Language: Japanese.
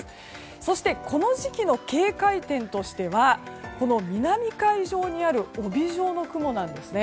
そして、この時期の警戒点としては南海上にある帯状の雲なんですね。